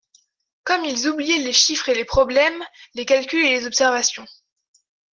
Comme ils oubliaient les chiffres et les problèmes, les calculs et les observations.